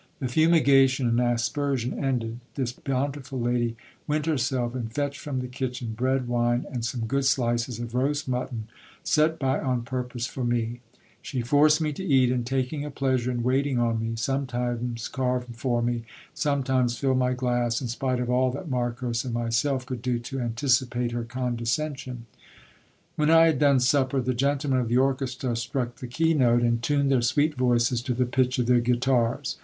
The fumigation and aspersion ended, tl.is bountiful lady went herself and fetched from the kitchen bread, wine, and seme good slices of roast mutton, set by on purpose for me. She forced me to er.t, and taking a pleasure in waiting on me, sometimes carved for me, and some times filled my glass, in spite of all that Marcos and myself could do to antici pate hex condescension. When I had done supper, the gentlemen of the orchestra st ruck the key note, and tuned their sweet voices to the pitch of their guitars.